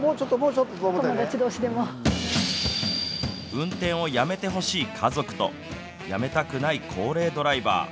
運転をやめてほしい家族とやめたくない高齢ドライバー。